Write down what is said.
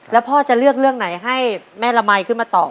แล้วพ่อจะเลือกเรื่องไหนให้แม่ละมัยขึ้นมาตอบ